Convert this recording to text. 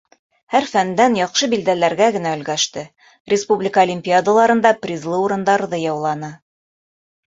Һәр фәндән яҡшы билдәләргә генә өлгәште, республика олимпиадаларында призлы урындарҙы яуланы.